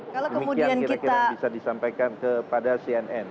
demikian kira kira yang bisa disampaikan kepada cnn